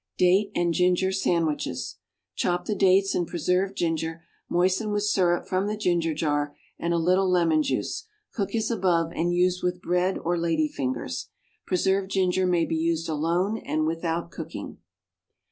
=Date and Ginger Sandwiches.= Chop the dates and preserved ginger; moisten with syrup from the ginger jar and a little lemon juice; cook as above, and use with bread or lady fingers. Preserved ginger may be used alone and without cooking.